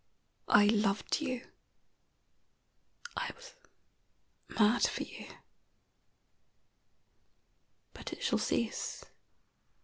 I loved you, I was mad for you; but it shall cease.